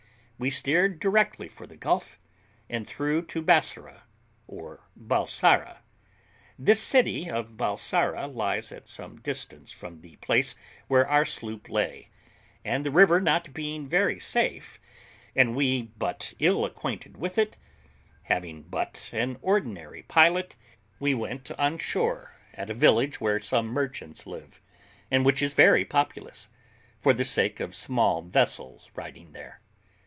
We steered directly for the Gulf, and through to Bassorah, or Balsara. This city of Balsara lies at some distance from the place where our sloop lay, and the river not being very safe, and we but ill acquainted with it, having but an ordinary pilot, we went on shore at a village where some merchants live, and which is very populous, for the sake of small vessels riding there.